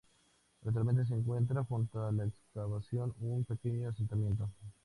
Actualmente se encuentra junto a la excavación un pequeño asentamiento.